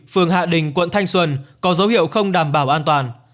phường hạ đình quận thanh xuân có dấu hiệu không đảm bảo an toàn